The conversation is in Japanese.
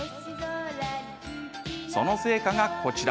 その成果が、こちら。